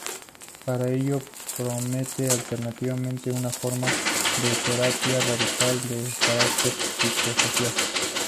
Para ello, propone alternativamente una forma de terapia radical, de carácter psicosocial.